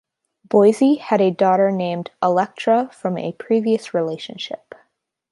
Busey has a daughter named Alectra from a previous relationship.